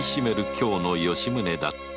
今日の吉宗だった